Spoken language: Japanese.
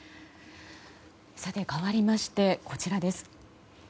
かわりまして、こちらです。